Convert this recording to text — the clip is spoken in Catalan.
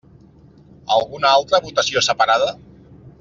Alguna altra votació separada?